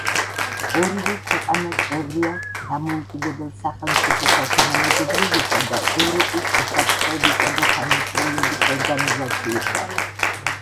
ორივე ქვეყანა წევრია დამოუკიდებელ სახელმწიფოთა თანამეგობრობისა და ევროპის უსაფრთხოებისა და თანამშრომლობის ორგანიზაციისა.